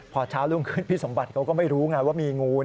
พอเช้ารุ่งขึ้นพี่สมบัติเขาก็ไม่รู้ไงว่ามีงู